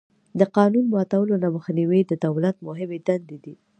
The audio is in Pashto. د قانون ماتولو نه مخنیوی د دولت مهمې دندې دي.